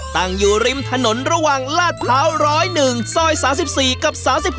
ตั้งอยู่ริมถนนระหว่างลาดพร้าว๑๐๑ซอย๓๔กับ๓๖